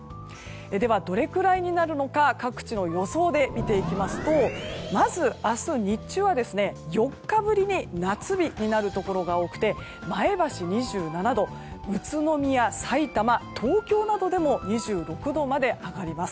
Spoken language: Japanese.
では、どれくらいになるのか各地の予想で見ていきますとまず、明日日中は４日ぶりに夏日になるところが多くて前橋、２７度宇都宮、さいたま、東京などでも２６度まで上がります。